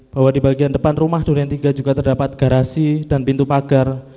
bahwa di bagian depan rumah durian tiga juga terdapat garasi dan pintu pagar